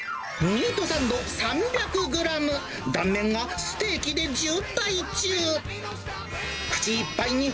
ミートサンド３００グラム、断面がステーキで渋滞中。